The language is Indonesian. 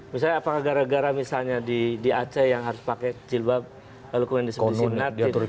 misalnya apakah gara gara misalnya di aceh yang harus pakai cilbab lukumen diskriminatif